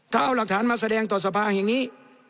ถ้าเอาหลักฐานมาแสดงต่อสภาแห่งนี้